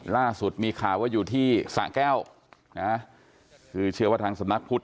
ล่าสุดมีข่าวว่าอยู่ที่สะแก้วคือเชื้อวัฒนธรรมนักพุทธ